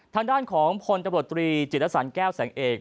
ทางด้านของคนจับรวจตรีจิตภัณฑ์แก้วแสงเอกส์